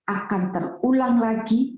akan terulang lagi